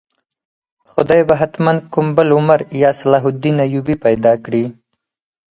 خدای به حتماً کوم بل عمر یا صلاح الدین ایوبي پیدا کړي.